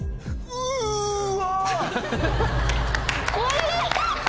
うわ！